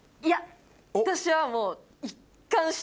いや私はもう。